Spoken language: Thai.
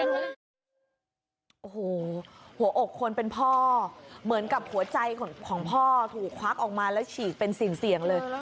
โอ้โหหัวอกคนเป็นพ่อเหมือนกับหัวใจของพ่อถูกควักออกมาแล้วฉีกเป็นสิ่งเสี่ยงเลย